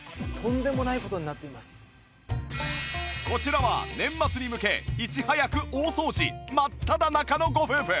こちらは年末に向けいち早く大掃除真っただ中のご夫婦